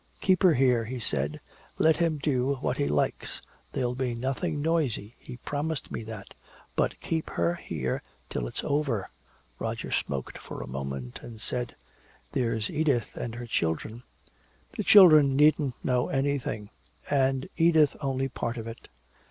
"Keep her here," she said. "Let him do what he likes. There'll be nothing noisy, he promised me that. But keep her here till it's over." Roger smoked for a moment, and said, "There's Edith and her children." "The children needn't know anything and Edith only part of it."